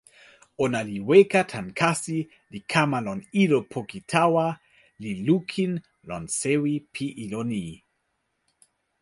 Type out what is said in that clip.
ona li weka tan kasi, li kama lon ilo poki tawa, li lukin lon sewi pi ilo ni.